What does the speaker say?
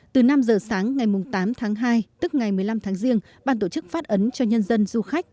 từ năm giờ sáng ngày tám tháng hai tức ngày một mươi năm tháng riêng ban tổ chức phát ấn cho nhân dân du khách